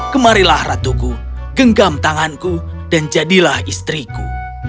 kemarilah ratuku genggam tanganku dan jadilah istriku